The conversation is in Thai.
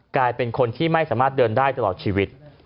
กลายเป็นคนที่ไม่สามารถเดินได้ตลอดชีวิต